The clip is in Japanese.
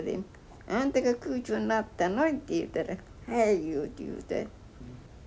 「あんたが級長になったの？」って言うたら「はい」いうて言うて。